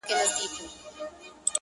چي هره ورځ دي په سر اوښکو ډکومه-